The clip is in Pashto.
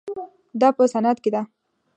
دا په صنعت کې ده.